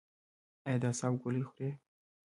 ایا د اعصابو ګولۍ خورئ؟